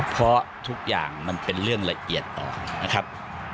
เพราะทุกอย่างมันเป็นเรื่องละเอียดอ่อนนะครับ